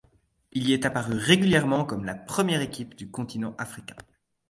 Il y est apparu régulièrement comme la première équipe du continent africain.